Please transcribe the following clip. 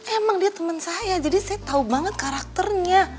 emang dia teman saya jadi saya tahu banget karakternya